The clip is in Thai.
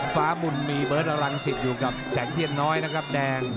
ฟ้าบุญมีเบิร์ตอรังสิตอยู่กับแสงเทียนน้อยนะครับแดง